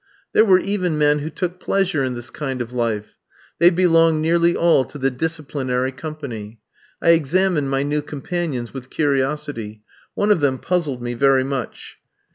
There were even men who took pleasure in this kind of life. They belonged nearly all to the Disciplinary Company. I examined my new companions with curiosity. One of them puzzled me very much.